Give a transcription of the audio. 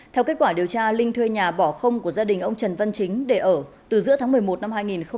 theo kết quả điều tra linh thuê nhà bỏ không của gia đình ông trần văn chính để ở từ giữa tháng một mươi một năm hai nghìn một mươi chín